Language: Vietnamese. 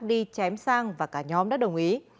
đi chém sang và cả nhóm đã đồng ý